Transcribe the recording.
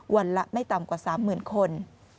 วันละไม่ต่ำกว่า๓หมื่นคน